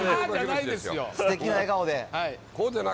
すてきな笑顔で。